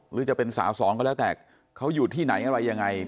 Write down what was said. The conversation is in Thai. หรือจะเป็นสาวสองก็แล้วแต่เขาอยู่ที่ไหนอะไรยังไง